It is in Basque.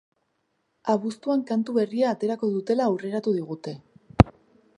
Abuztuan kantu berria aterako dutela aurreratu digute.